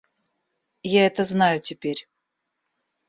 Я это знаю теперь.